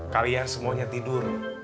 kalian semuanya tidur